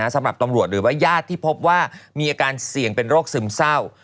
สำหรับตำรวจหรือว่าญาติที่พบว่ามีอาการเสี่ยงเป็นโรคซึมเศร้า